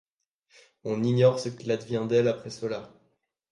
On ignore ce qu'il advient d'elle après cela.